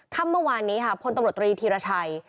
ค่ำเมื่อวานนี้ค่ะพลตำรวจตรีธีรชัย